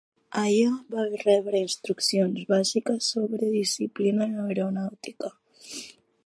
Allà va rebre instruccions bàsiques sobre disciplina aeronàutica.